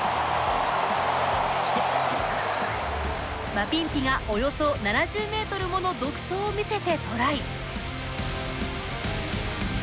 マピンピが、およそ７０ｍもの独走を見せてトライ。